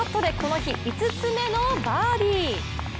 強気のパットでこの日５つ目のバーディー。